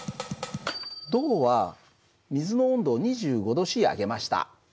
銅は水の温度を２５℃上げました。